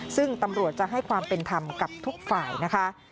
ซึ่งตำรวจจะให้ความเป็นธรรมกับทุกฝ่ายนะคะ